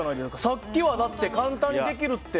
さっきはだって簡単にできるって。